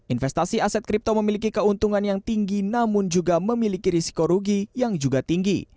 investasi aset kripto memiliki keuntungan yang tinggi namun juga memiliki risiko rugi yang juga tinggi